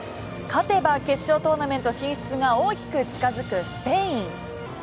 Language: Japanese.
勝てば決勝トーナメント進出が大きく近付くスペイン。